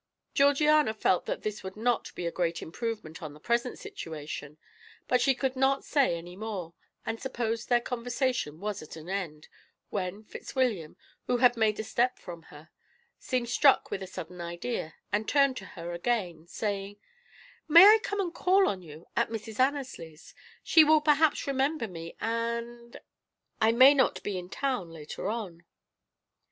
Georgiana felt that this would not be a great improvement on the present situation, but she could not say any more, and supposed their conversation was at an end, when Fitzwilliam, who had made a step from her, seemed struck with a sudden idea, and turned to her again, saying: "May I come and call on you at Mrs. Annesley's? She will perhaps remember me and I may not be in town later on."